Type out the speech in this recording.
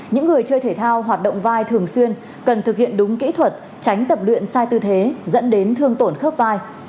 những người chơi thể thao hoạt động vai thường xuyên cần thực hiện đúng kỹ thuật tránh tập luyện sai tư thế dẫn đến thương tổn khớp vai